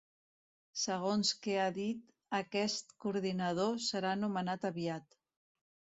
Segons que ha dit, aquest coordinador serà nomenat aviat.